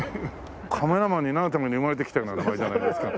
カメラマンになるために生まれてきたような名前じゃないですか。